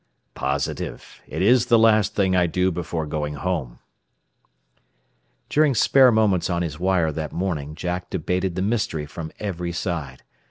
"Positive. It is the last thing I do before going home." During spare moments on his wire that morning Jack debated the mystery from every side.